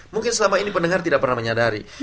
mungkin selama ini pendengar tidak pernah menyadari